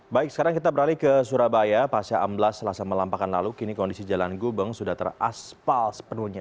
baik sekarang kita beralih ke surabaya pasca amblas selasa melampakan lalu kini kondisi jalan gubeng sudah teraspal sepenuhnya